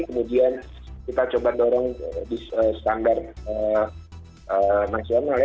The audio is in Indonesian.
kemudian kita coba dorong standar nasionalnya